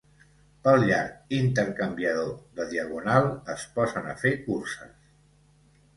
Pel llarg intercanviador de Diagonal es posen a fer curses.